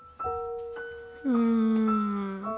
うん。